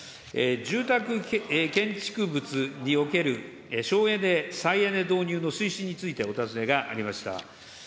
住宅建築物における省エネ・再エネ導入の推進についてお尋ねがありました。